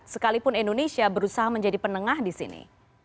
sekalipun indonesia berusaha menjadi penengah di sini